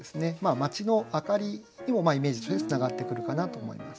街の明かりにもイメージとしてつながってくるかなと思います。